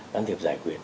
can thiệp giải quyết